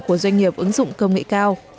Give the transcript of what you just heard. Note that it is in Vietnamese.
của doanh nghiệp ứng dụng công nghệ cao